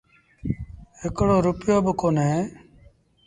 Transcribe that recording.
هڪڙو رپيو با ڪونهي